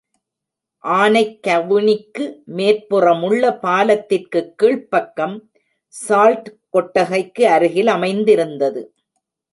ஆனைக்கவுனிக்கு மேற்புறமுள்ள பாலத்திற்குக் கீழ்ப்பக்கம், சால்ட்கொட்டகைக்கு அருகில் அமைந்திருந்தது.